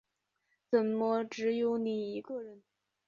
怎么只有你一个人